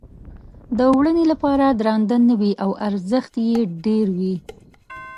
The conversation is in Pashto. د وړنې لپاره درانده نه وي او ارزښت یې ډېر وي.